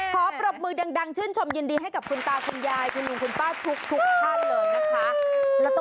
ปรบมือดังชื่นชมยินดีให้กับคุณตาคุณยายคุณลุงคุณป้าทุกท่านเลยนะคะ